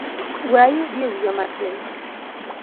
We ayudie wiya matin.